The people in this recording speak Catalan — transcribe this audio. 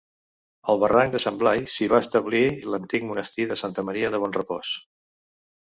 Al barranc de Sant Blai s'hi establí l'antic Monestir de Santa Maria de Bonrepòs.